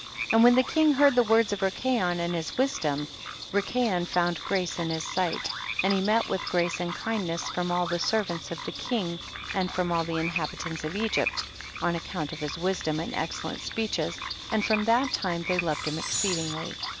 20. And when the king heard the words of Rikayon and his wisdom, Rikayon found grace in his sight, and he met with grace and kindness from all the servants of the king and from all the inhabitants of Egypt, on account of his wisdom and excellent speeches, and from that time they loved him exceedingly.